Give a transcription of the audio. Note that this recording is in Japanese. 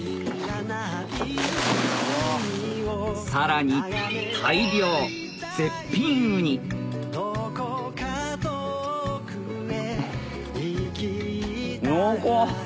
さらに大漁絶品ウニ濃厚！